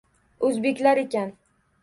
O‘zbeklar ekan.